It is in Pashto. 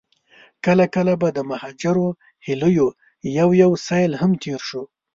کله کله به د مهاجرو هيليو يو يو سيل هم تېر شو.